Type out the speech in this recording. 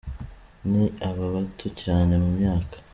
Ni aba bato cyane mu myaka.